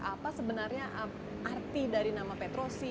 apa sebenarnya arti dari nama petrosi